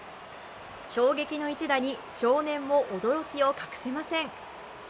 衝撃の一打に少年も驚きを隠せません。